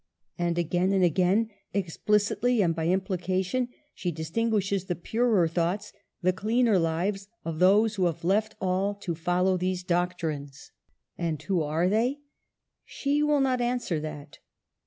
And again and again, explicitly and by implication, she distinguishes the purer thoughts, the cleaner lives of those who have left all to follow these doctrines. And who are they? She will not answer that.